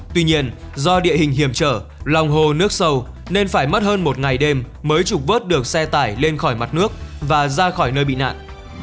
tuy nhiên do địa hình hiểm trở lòng hồ nước sâu nên phải mất hơn một ngày đêm mới trục vớt được xe tải lên khỏi mặt nước và ra khỏi nơi bị nạn